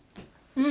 うん。